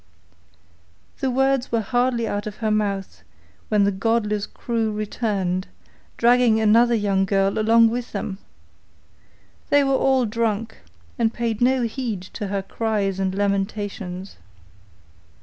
The words were hardly out of her mouth when the godless crew returned, dragging another young girl along with them. They were all drunk, and paid no heed to her cries and lamentations.